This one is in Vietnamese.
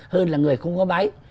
hơn là người không có máy